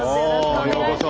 おようこそ。